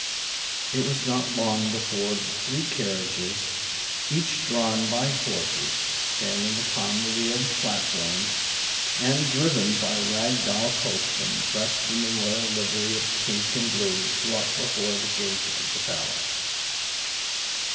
It was not long before the three carriages, each drawn by horses standing upon wheeled platforms, and driven by rag doll coachmen dressed in the royal livery of pink and blue drew up before the gate of the palace.